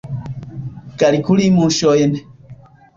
Kalkuli muŝojn.